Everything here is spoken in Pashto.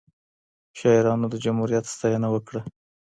شاعرانو د جمهوریت ستاینه وکړه.